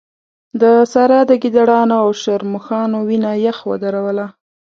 د سارا د ګيدړانو او شرموښانو وينه يخ ودروله.